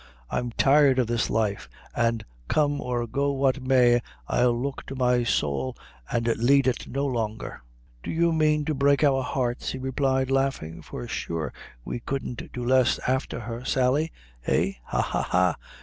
I'm tired of this life, and come or go what may, I'll look to my sowl an' lead it no longer. "Do you mane to break our hearts?" he replied, laughing; "for sure we couldn't do less afther her, Sally; eh, ha! ha! ha!